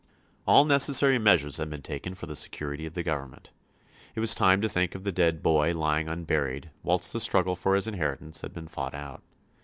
All necessary measures had been taken for the security of the Government. It was time to think of the dead boy lying unburied whilst the struggle for his inheritance had been fought out.